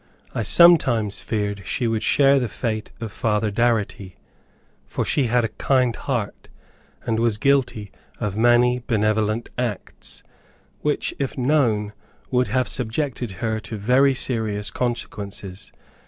I sometimes feared she would share the fate of Father Darity, for she had a kind heart, and was guilty of many benevolent acts, which, if known, would have subjected her to very serious consequences.